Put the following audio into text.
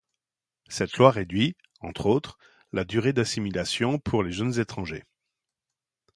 Cette loi réduit, entre autres, la durée d'assimilation pour les jeunes étrangers.